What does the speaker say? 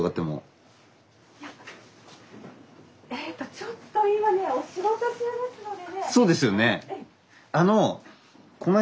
ちょっと今ねお仕事中ですのでね。